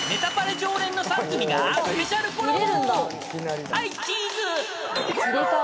常連の３組がスペシャルコラボ！］